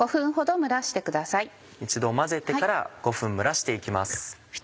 一度混ぜてから５分蒸らして行きます。